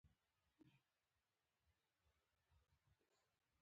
خلک قبرو ته مړي وړي خو ته قبرونه سترګې